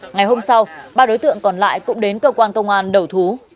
ngày hôm sau ba đối tượng còn lại cũng đến cơ quan công an đầu thú